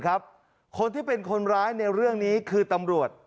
คนที่เป็นคนร้ายในเรื่องนี้คือตำรวจ